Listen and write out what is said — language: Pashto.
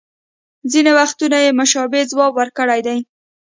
ځینې وختونه یې مشابه ځواب ورکړی دی